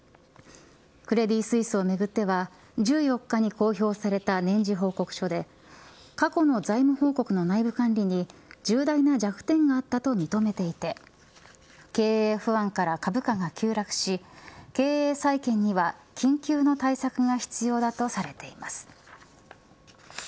クレディ・スイスをめぐっては１４日に公表された年次報告書で過去の財務報告の内部管理に重大な弱点があったと認めていて経営不安から株価が急落し経営再建には緊急の対策が必要だとされています。